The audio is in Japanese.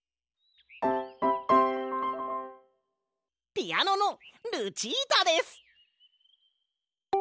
ピアノのルチータです！